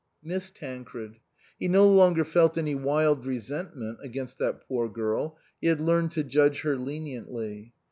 Miss Tancred. He no longer felt any wild resentment against that poor girl ; he had learned to judge her leniently.